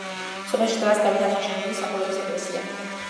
სოფელში დგას დავით აღმაშენებლის სახელობის ეკლესია.